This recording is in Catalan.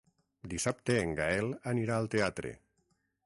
Dissabte en Gaël anirà al teatre.